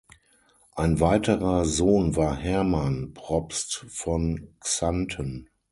Ein weiterer Sohn war Herman, Propst von Xanten.